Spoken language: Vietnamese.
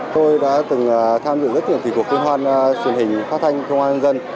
tôi đã từng tham dự rất nhiều tỷ cuộc liên hoàn truyền hình phát thanh công an nhân dân